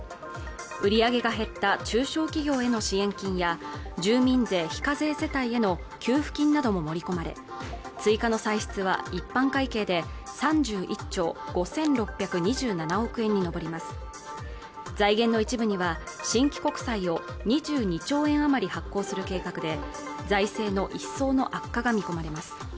売り上げが減った中小企業への支援金や住民税非課税世帯への給付金なども盛り込まれ追加の歳出は一般会計で３１兆５６２７億円に上ります財源の一部には新規国債を２２兆円余り発行する計画で財政の一層の悪化が見込まれます